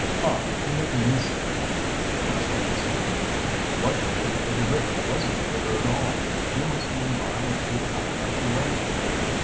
"Tom, we have missed it!" "It looks like it, Sam." "What we took for the river wasn't the river at all. We must be a mile or two out of the way."